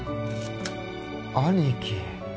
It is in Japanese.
兄貴。